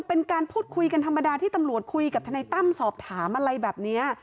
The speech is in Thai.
เป็นการพูดคุยกันธรรมดาที่ตำรวจคุยกับทนายตั้มสอบถามอะไรแบบนี้